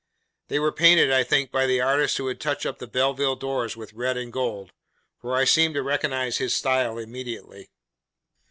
They were painted, I think, by the artist who had touched up the Belleville doors with red and gold; for I seemed to recognise his style immediately.